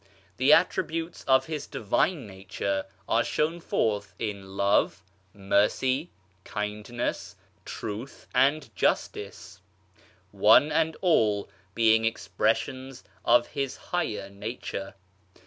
The attributes of his Divine nature are shown forth in Love, Mercy, Kindness, Truth and Justice, one and all being expressions of his higher nature.